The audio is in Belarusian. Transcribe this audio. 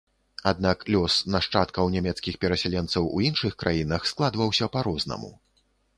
Аднак лёс нашчадкаў нямецкіх перасяленцаў у іншых краінах складваўся па-рознаму.